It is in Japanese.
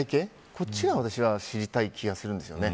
こっちが私は知りたい気がするんですよね。